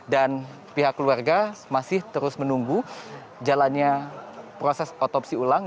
dan pihak keluarga masih terus menunggu jalannya proses otopsi ulang